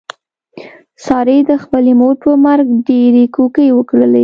سارې د خپلې مور په مرګ ډېرې کوکې وکړلې.